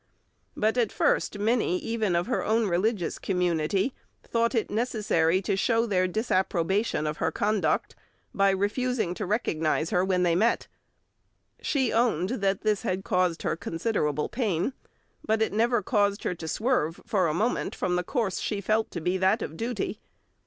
But at first many even of her own religious community thought it necessary to show their disapprobation of her conduct, by refusing to recognise her when they met. She owned that this "had caused her considerable pain," but it never caused her to swerve for a moment from the course she felt to be that of duty.